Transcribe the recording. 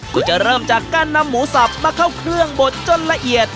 ก็จะเริ่มจากการนำหมูสับมาเข้าเครื่องบดจนละเอียด